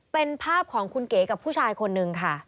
เป็นภาพของคุณเก๋กับผู้ชายคนนึงค่ะ